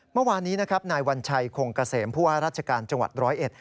เมื่อวานนี้นะครับนายวัญชัยคงกะเสมพูดว่าราชการจังหวัด๑๐๑